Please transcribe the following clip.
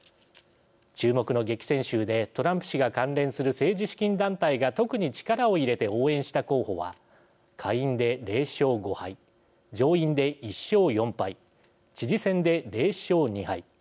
注目の激戦州でトランプ氏が関連する政治資金団体が特に力を入れて応援した候補は下院で０勝５敗上院で１勝４敗知事選で０勝２敗。